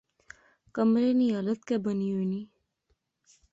کمرے نی حالت کہہ بنی ہوئی نی